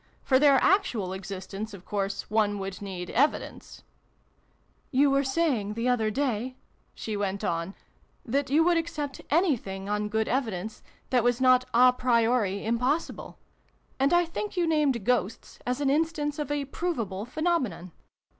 For their actual exist ence, of course, one would need evidence" " You were saying, the other day," she went on, " that you would accept anything, on good evidence, that was not a priori impossible. And I think you named Ghosts as an instance of a provable phenomenon.